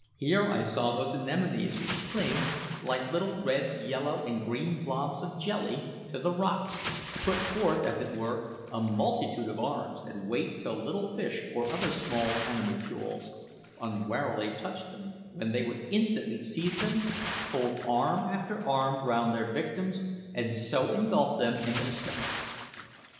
Here I saw those anemones which cling, like little red, yellow, and green blobs of jelly, to the rocks, put forth, as it were, a multitude of arms and wait till little fish or other small animalcules unwarily touched them, when they would instantly seize them, fold arm after arm round their victims, and so engulf them in their stomachs.